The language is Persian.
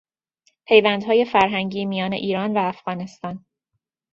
پیوندهای فرهنگی میان ایران و افغانستان